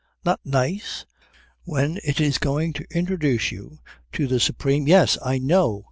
Not nice? When it is going to introduce you to the supreme " "Y'es, I know.